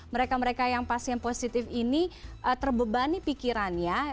mereka mereka yang pasien positif ini terbebani pikirannya